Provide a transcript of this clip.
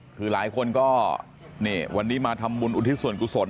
คือหลายคนก็นี่วันนี้มาทำบุญอุทิศส่วนกุศล